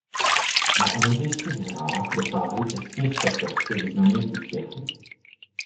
Na olympijských hrách dosáhli čeští sportovci významných úspěchů.